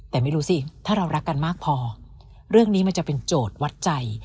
แต่ไม่รู้สิถ้าเรารักกันมากพอเรื่องนี้มันจะเป็นโจทย์วัดใจ